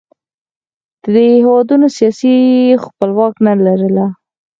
دې هېوادونو سیاسي خپلواکي نه لرله